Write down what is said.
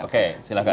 oke oke silahkan